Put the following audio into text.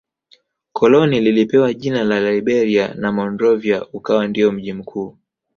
Koloni lilipewa jina la Liberia na Monrovia ukawa ndio mji mkuu